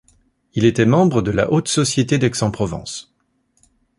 Il était membre de la haute société d'Aix-en-Provence.